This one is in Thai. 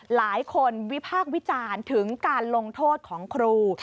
หลายคนวิพากษ์วิจารณ์ถึงการลงโทษของครู